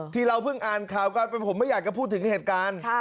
ที่เราเพิ่งอ่านข่าวกันผมไม่อยากจะพูดถึงเหตุการณ์